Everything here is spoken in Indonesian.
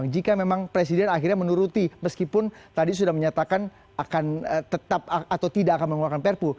jika memang presiden akhirnya menuruti meskipun tadi sudah menyatakan akan tetap atau tidak akan mengeluarkan perpu